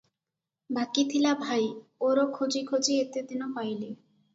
ବାକି ଥିଲା ଭାଇ --ଓର ଖୋଜି ଖୋଜି ଏତେଦିନ ପାଇଲେ ।